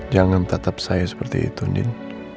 jangan tetap saya seperti itu ndin